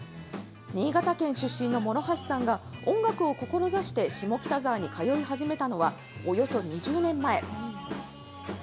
新潟県出身の諸橋さんが音楽を志して下北沢に通い始めたのは、およそ２０年前。